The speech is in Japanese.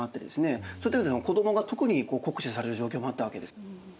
そういったような子どもが特に酷使される状況もあったわけです。